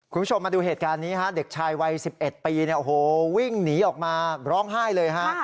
คุณผู้ชมมาดูเหตุการณ์นี้ฮะเด็กชายวัย๑๑ปีเนี่ยโอ้โหวิ่งหนีออกมาร้องไห้เลยฮะ